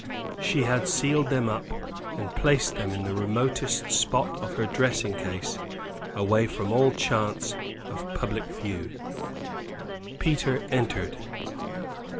She had sealed them up, and placed them in the remotest spot of her dressing case, away from all chance of public view. Peter entered.